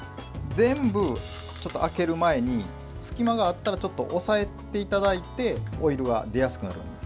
全部開ける前に隙間があったらちょっと押さえていただいてオイルが出やすくなるので。